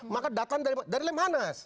maka datang dari lemhanas